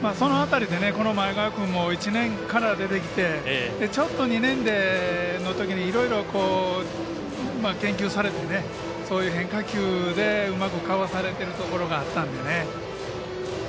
この前川君も１年から出てきてちょっと２年のときにいろいろ研究されて変化球で、うまくかわされているところがあったんでね。